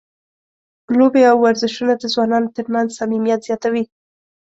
لوبې او ورزشونه د ځوانانو ترمنځ صمیمیت زیاتوي.